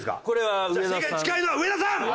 これは上田さん。